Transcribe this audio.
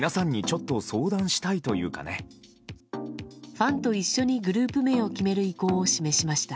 ファンと一緒にグループ名を決める意向を示しました。